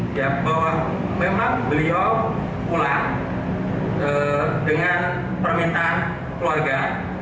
ya bahwa memang beliau pulang dengan permintaan keluarga